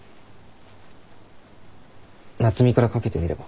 夏海からかけてみれば？